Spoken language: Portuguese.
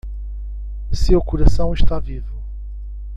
Seu coração está vivo.